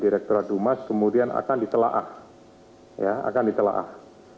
direkturat dumas kemudian akan ditelaah